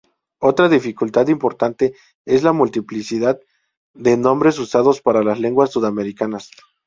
Otra dificultad importante es la multiplicidad de nombres usados para las lenguas sudamericanas.